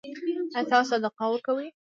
ایا تاسو صدقه ورکوئ؟